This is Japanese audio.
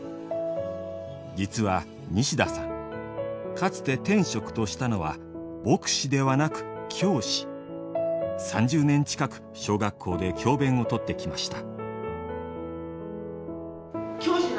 かつて天職としたのは牧師ではなく３０年近く小学校で教鞭を執ってきました。